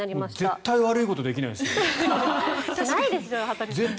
絶対悪いことできないです。